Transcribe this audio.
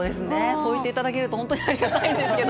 そう言って頂けるとほんとにありがたいんですけど。